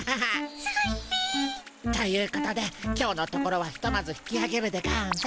すごいっピ。ということで今日のところはひとまず引きあげるでゴンス。